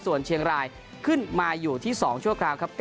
ส่วนเชียงรายขึ้นมาอยู่ที่๒ชั่วคราวครับ